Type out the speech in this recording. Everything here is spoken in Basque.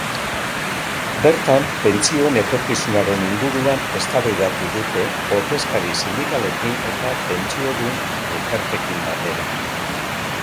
Bertan, pentsioen etorkizunaren inguruan eztabaidatu dute ordezkari sindikalekin eta pentsiodun elkarteekin batera.